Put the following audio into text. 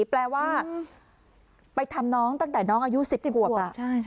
แปลว่าไปทำน้องตั้งแต่น้องอายุ๑๐ขวบ